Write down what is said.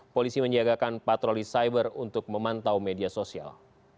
polisi menyiagakan patroli cyber untuk memantau media sosial